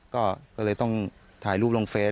ก็เลยต้องถ่ายรูปลงเฟซ